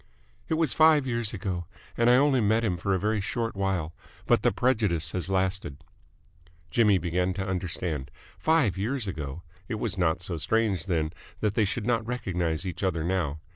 "It was five years ago, and I only met him for a very short while, but the prejudice has lasted." Jimmy began to understand. Five years ago! It was not so strange, then, that they should not recognise each other now.